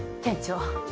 店長